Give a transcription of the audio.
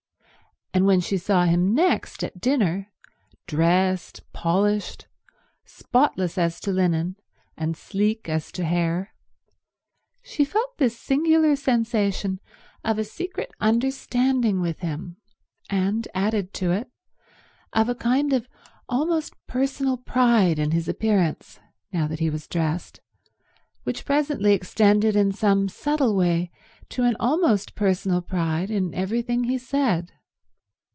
And when she saw him next at dinner, dressed, polished, spotless as to linen and sleek as to hair, she felt this singular sensation of a secret understanding with him and, added to it, of a kind of almost personal pride in his appearance, now that he was dressed, which presently extended in some subtle way to an almost personal pride in everything he said.